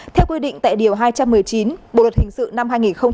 theo quy định tại điều hai trăm một mươi chín bộ luật hình sự năm hai nghìn một mươi năm